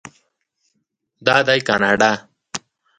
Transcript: دا دی کاناډا.